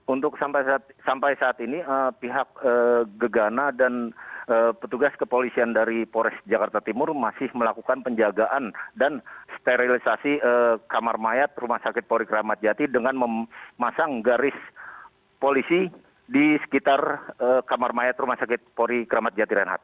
untuk sampai saat ini pihak gegana